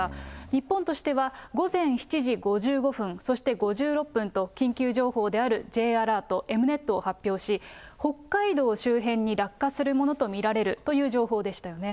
日本としては午前７時５５分、そして５６分と、緊急情報であるＪアラート、エムネットを発表し、北海道周辺に落下するものと見られるという情報でしたよね。